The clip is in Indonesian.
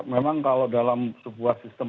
memang kalau dalam sebuah sistem